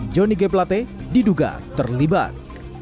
johnny g plate diduga terlibat